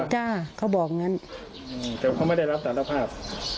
ได้เขาบอกอย่างงั้นแต่ว่าเขาไม่ได้รับตัดละภาพ